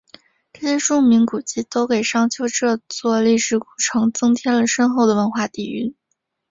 这些著名古迹都给商丘这座历史古城增添了深厚的文化底蕴。